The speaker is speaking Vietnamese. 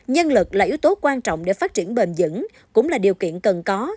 nhân lực là yếu tố quan trọng để phát triển bền dững cũng là điều kiện cần có